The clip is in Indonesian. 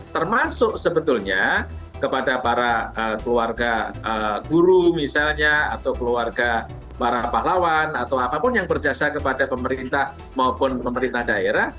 termasuk sebetulnya kepada para keluarga guru misalnya atau keluarga para pahlawan atau apapun yang berjasa kepada pemerintah maupun pemerintah daerah